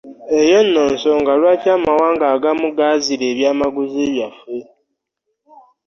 Eyo nno nsonga lwaki amawanga agamu gaazira eby'amaguzi byaffe.